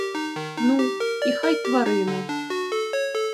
Ну, і хай тварина.